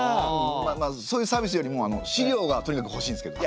まあまあそういうサービスよりも資料がとにかくほしいんですけど。